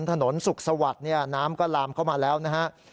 ถนนสุขสวัสดิ์น้ำก็ลามเข้ามาแล้วนะครับ